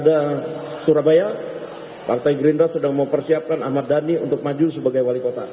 polda surabaya partai gerindra sedang mempersiapkan ahmad dhani untuk maju sebagai wali kota